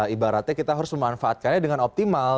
ibaratnya kita harus memanfaatkannya dengan optimal